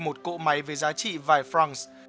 một cỗ máy về giá trị vài francs